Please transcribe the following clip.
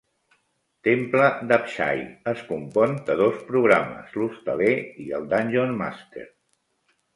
"Temple d'Apshai" es compon de dos programes; l'hostaler i el Dunjonmaster.